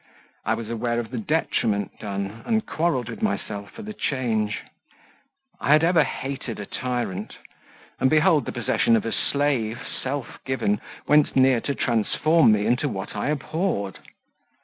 I was aware of the detriment done, and quarrelled with myself for the change. I had ever hated a tyrant; and, behold, the possession of a slave, self given, went near to transform me into what I abhorred!